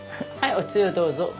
おつゆどうぞ。